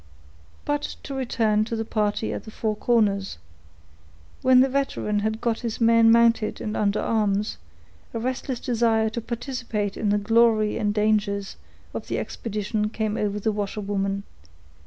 But to return to the party at the Four Corners. When the veteran had got his men mounted and under arms, a restless desire to participate in the glory and dangers of the expedition came over the washerwoman.